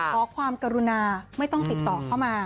ขอความกรุณาไม่ต้องติดต่อเข้ามา